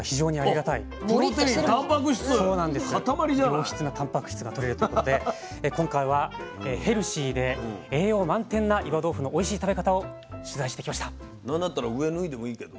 良質なたんぱく質がとれるということで今回はヘルシーで栄養満点な岩豆腐のおいしい食べ方を取材してきました。